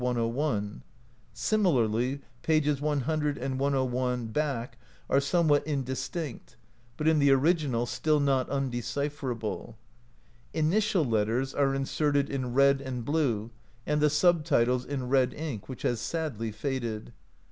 101; similarly pp. 100 and 101 [back] are some what indistinct, but, in the original, still not undecipher able. Initial letters are inserted in red and blue, and the subtitles in red ink, which has sadly faded.